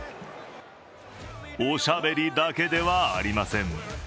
おしゃべりだけではありません。